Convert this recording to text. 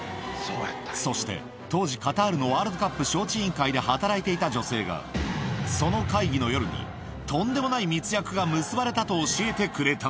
そして、当時、カタールのワールドカップ招致委員会で働いていた女性が、その会議の夜に、とんでもない密約が結ばれたと教えてくれた。